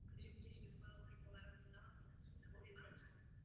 Předchozí důchodové reformy již vedou ke zvýšení chudoby ve stáří.